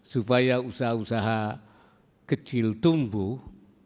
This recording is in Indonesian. supaya usaha usaha kecil tumbuh